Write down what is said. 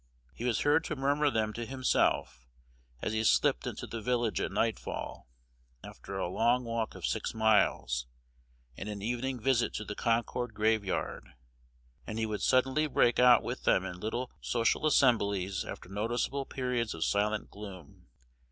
He was heard to murmur them to himself as he slipped into the village at nightfall, after a long walk of six miles, and an evening visit to the Concord graveyard; and he would suddenly break out with them in little social assemblies after noticeable periods of silent gloom.